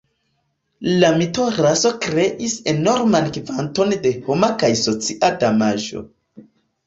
La mito 'raso' kreis enorman kvanton de homa kaj socia damaĝo.